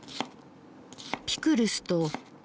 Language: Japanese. ピクルスと。